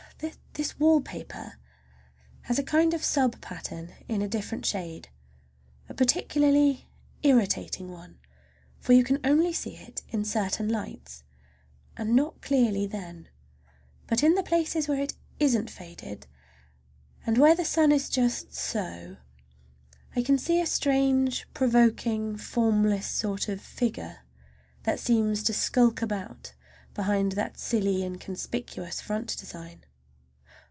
This wallpaper has a kind of sub pattern in a different shade, a particularly irritating one, for you can only see it in certain lights, and not clearly then. But in the places where it isn't faded, and where the sun is just so, I can see a strange, provoking, formless sort of figure, that seems to sulk about behind that silly and conspicuous front design.